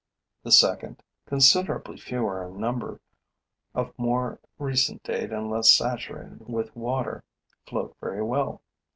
The second, considerably fewer in number, of more recent date and less saturated with water, float very well.